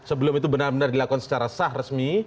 sebelum itu benar benar dilakukan secara sah resmi